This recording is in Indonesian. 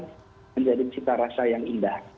menjadi cita rasa yang indah